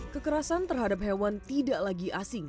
kekerasan terhadap hewan tidak lagi asing